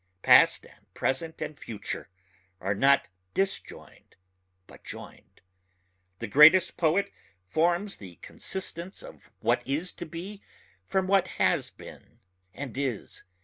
Past and present and future are not disjoined but joined. The greatest poet forms the consistence of what is to be from what has been and is.